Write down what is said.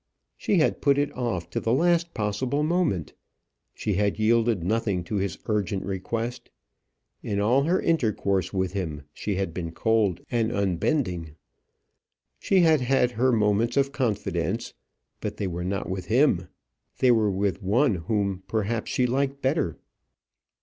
She had put it off to the last possible moment. She had yielded nothing to his urgent request. In all her intercourse with him she had been cold and unbending. She had had her moments of confidence, but they were not with him; they were with one whom perhaps she liked better.